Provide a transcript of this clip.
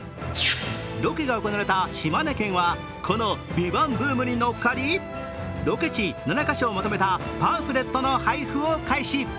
ロケが行われた島根県は、この「ＶＩＶＡＮＴ」ブームに乗っかり、ロケ地７か所をまとめたパンフレットの配布を開始。